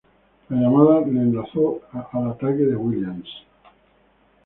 La llamada le enlazó al ataque de Williams.